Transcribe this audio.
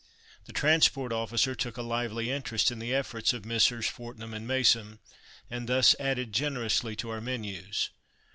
The transport officer took a lively interest in the efforts of Messrs. Fortnum and Mason, and thus added generously to our menus.